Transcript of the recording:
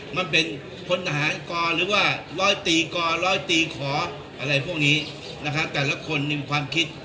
มันเป็นพลทหารกรหรือว่าร้อยตีกรร้อยตีขออะไรพวกนี้นะฮะแต่ละคนมีความคิด